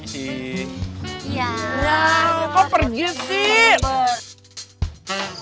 ya kok pergi sih